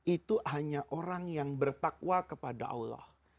itu hanya orang yang bertakwa kepada allah